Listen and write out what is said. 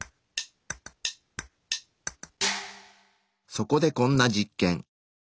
そこでこんな実験。